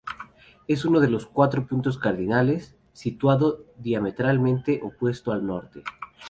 Es uno de los cuatro puntos cardinales, situado diametralmente opuesto al norte.